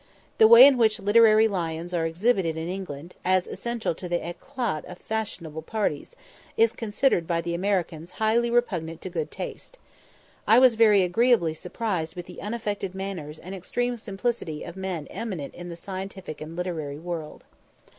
The way in which literary lions are exhibited in England, as essential to the éclat of fashionable parties, is considered by the Americans highly repugnant to good taste. I was very agreeably surprised with the unaffected manners and extreme simplicity of men eminent in the scientific and literary world.